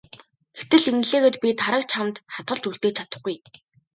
Гэтэл ингэлээ гээд би Тараг чамд хадгалж үлдээж чадахгүй.